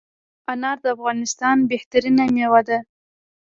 انار دافغانستان بهترینه میوه ده